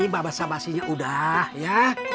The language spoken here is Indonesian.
babasabasinya udah ya